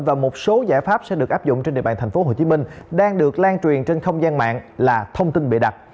và một số giải pháp sẽ được áp dụng trên địa bàn tp hcm đang được lan truyền trên không gian mạng là thông tin bịa đặt